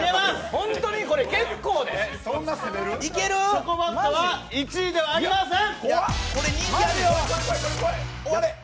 チョコバットは１位ではありません。